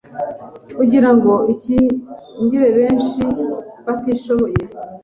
kugira ngo ikingire benshi batishoboye